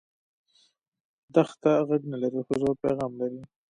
دښته غږ نه لري خو ژور پیغام لري.